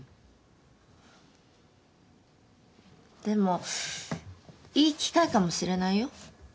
でもいい機会かもしれないよ。